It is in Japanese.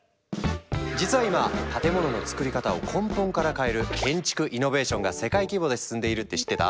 実は今建物のつくり方を根本から変える建築イノベーションが世界規模で進んでいるって知ってた？